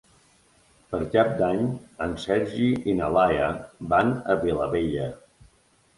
Per Cap d'Any en Sergi i na Laia van a Vilabella.